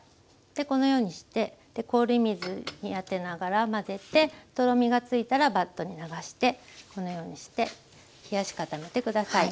でこのようにして氷水に当てながら混ぜてとろみがついたらバットに流してこのようにして冷やし固めて下さい。